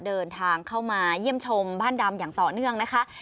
เดินทางเข้ามาเยี่ยมชมบ้านดำอย่างต่อเนื่องนะคะ